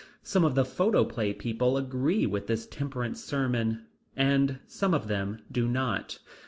Some of the photoplay people agree with this temperance sermon, and some of them do not.